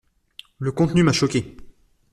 Le contenu m'a choqué.